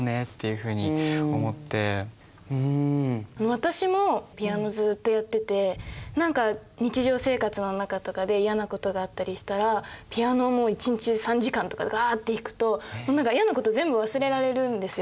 私もピアノずっとやってて何か日常生活の中とかで嫌なことがあったりしたらピアノもう一日３時間とかガッて弾くと何か嫌なこと全部忘れられるんですよ。